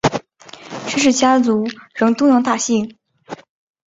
申氏家族乃东阳大姓。